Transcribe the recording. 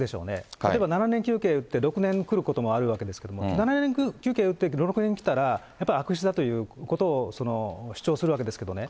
例えば７年求刑で６年くることもあるわけですけれども、７年求刑で６年来たら、やっぱ悪質だということを主張するわけですけれどもね。